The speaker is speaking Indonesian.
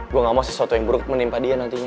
gue gak mau sesuatu yang buruk menimpa dia nantinya